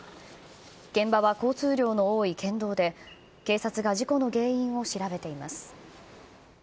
現場は交通量の多い県道で、警察が事故の原因を調べています。